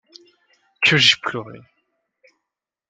Que j'ai pleuré !